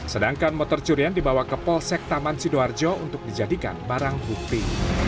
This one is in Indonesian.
sedangkan motor curian dibawa ke polsek taman sidoarjo untuk dijadikan barang bukti